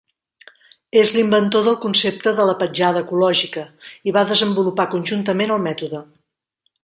És l'inventor del concepte de la "petjada ecològica" i va desenvolupar conjuntament el mètode.